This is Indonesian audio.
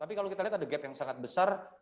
tapi kalau kita lihat ada gap yang sangat besar